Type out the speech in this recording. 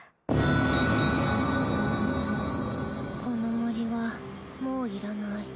この森はもういらない。